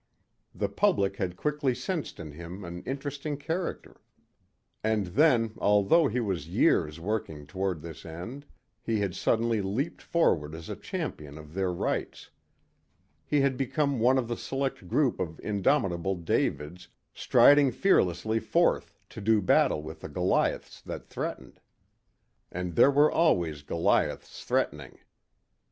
The public had quickly sensed in him an interesting character. And then, although he was years working toward this end, he had suddenly leaped forward as a champion of their rights. He had become one of the select group of indomitable Davids striding fearlessly forth to do battle with the Goliaths that threatened. And there were always Goliaths threatening.